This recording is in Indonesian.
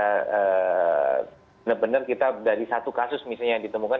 benar benar kita dari satu kasus misalnya yang ditemukan